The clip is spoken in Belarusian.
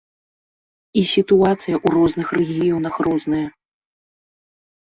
І сітуацыя ў розных рэгіёнах розная.